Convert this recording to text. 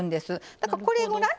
だからこれぐらい。